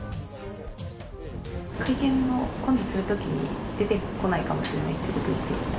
会見を今度するときに、出てこないかもしれないということですよね。